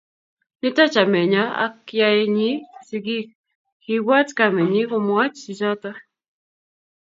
Nito chamenyo ak yaenyi sigik, kiibwat kamenyi komwoch chichoto